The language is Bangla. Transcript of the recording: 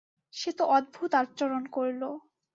সে তো অদ্ভুত আচরণ করলো।